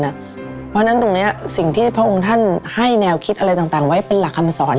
เพราะฉะนั้นตรงนี้สิ่งที่พระองค์ท่านให้แนวคิดอะไรต่างไว้เป็นหลักคำสอน